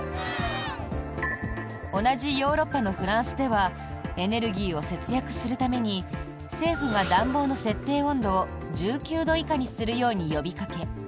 同じヨーロッパのフランスではエネルギーを節約するために政府が暖房の設定温度を１９度以下にするように呼びかけ